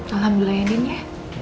alhamdulillah ya din ya